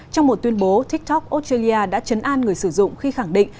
trong một tuyên bố tiktok australia đã chấn an người sử dụng khi khẳng định